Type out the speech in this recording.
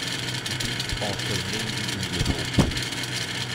These occur mainly in Europe.